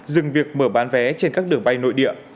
dừng việc mở bán vé trên các đường bay nội địa